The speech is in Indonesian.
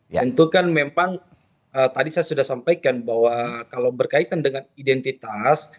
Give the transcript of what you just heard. tentukan memang tadi saya sudah sampaikan bahwa kalau berkaitan dengan identitas